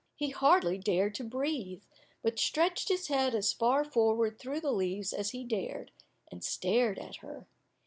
He hardly dared to breathe, but stretched his head as far forward through the leaves as he dared, and stared at her.